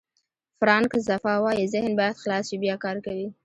فرانک زفا وایي ذهن باید خلاص شي بیا کار کوي.